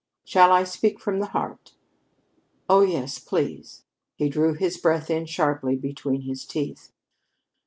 "Shall I speak from the heart?" "Oh, yes, please." He drew his breath in sharply between his teeth.